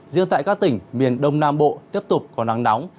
riêng tại các tỉnh miền đông nam bộ tiếp tục có nắng nóng